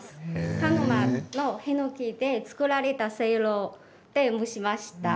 鹿沼のヒノキで作られたせいろで蒸しました。